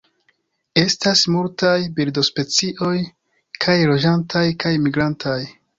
Estas multaj birdospecioj, kaj loĝantaj kaj migrantaj.